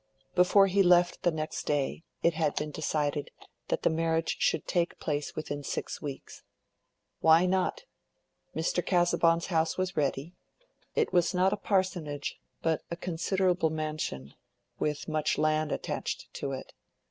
Before he left the next day it had been decided that the marriage should take place within six weeks. Why not? Mr. Casaubon's house was ready. It was not a parsonage, but a considerable mansion, with much land attached to it.